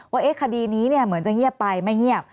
ว่าคดีนี้เหมือนจะเงียบไปไม่เงียบ